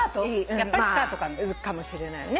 やっぱりスカートかな。かもしれないよね。